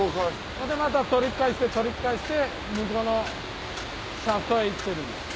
それでまた取りっ返して取りっ返して向こうのシャフトへ行ってるんです。